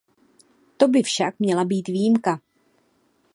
To by však měla být výjimka.